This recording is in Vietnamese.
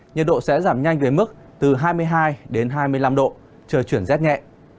nhiệt độ sẽ giảm nhanh về mức từ hai mươi hai đến hai mươi năm độ trời chuyển rét nhẹ